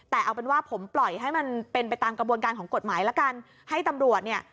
แต่เอาเป็นว่าผมปล่อยให้มันเป็นไปตามกระบวนการของกฎหมายละกันให้ตำรวจเนี่ย